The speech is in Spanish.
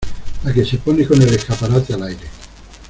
la que se pone con el escaparate al aire...